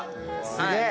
すげえ。